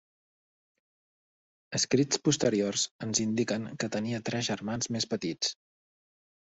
Escrits posteriors ens indiquen que tenia tres germans més petits: